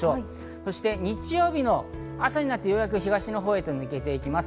そして日曜日の朝になってようやく東の方へ抜けていきます。